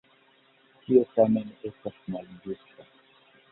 Tio tamen estas malĝusta.